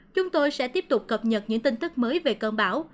chúng tôi sẽ tiếp tục cập nhật những tin tức mới về cơn bão